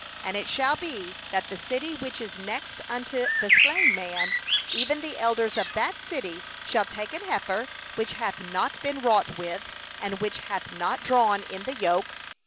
3And it shall be, that the city which is nearest unto the slain man, even the elders of that city shall take a heifer of the herd, which hath not been wrought with, and which hath not drawn in the yoke.